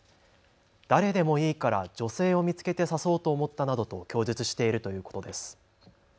誰でもいいから女性を見つけて刺そうと思ったなどと供述しているということです。